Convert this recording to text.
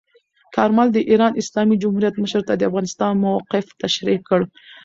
کارمل د ایران اسلامي جمهوریت مشر ته د افغانستان موقف تشریح کړ.